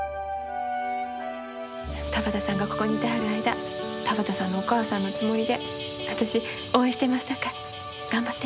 田畑さんがここにいてはる間田畑さんのお母さんのつもりで私応援してますさかい。